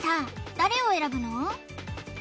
誰を選ぶの？